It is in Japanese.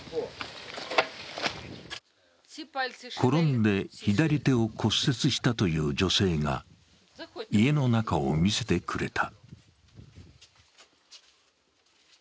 転んで左手を骨折したという女性が家の中を見せてくれた。